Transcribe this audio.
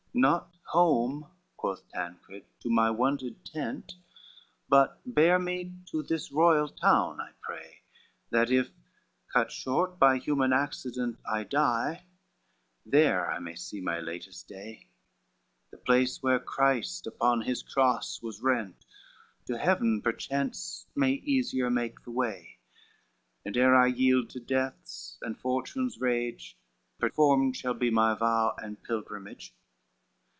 CXVIII "Not home," quoth Tancred, "to my wonted tent, But bear me to this royal town, I pray, That if cut short by human accident I die, there I may see my latest day, The place where Christ upon his cross was rent To heaven perchance may easier make the way, And ere I yield to Death's and Fortune's rage, Performed shall be my vow and pilgrimage."